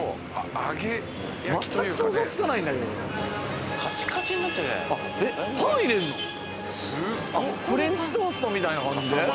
あっフレンチトーストみたいな感じで？